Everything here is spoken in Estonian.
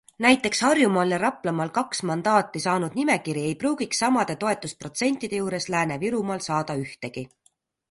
Näiteks Harjumaal ja Raplamaal kaks mandaati saanud nimekiri ei pruugiks samade toetusprotsentide juures Lääne-Virumaal saada ühtegi.